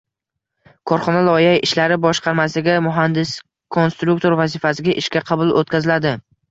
Korxona loyiha ishlari boshqarmasiga “muhandis-konstruktor” vazifasiga ishga qabul oʻtkaziladi.